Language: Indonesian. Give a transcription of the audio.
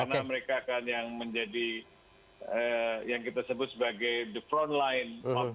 karena mereka akan yang menjadi